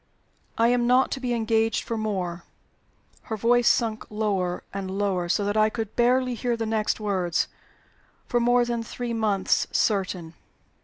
I am not to be engaged for more" her voice sunk lower and lower, so that I could barely hear the next words "for more than three months, certain."